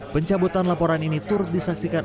pencabutan laporan ini turut disaksikan